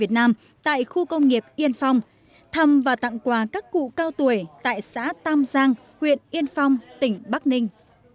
tại khu công nghiệp yên phong thăm và tặng quà các cụ cao tuổi tại xã tam giang huyện yên phong tỉnh bắc ninh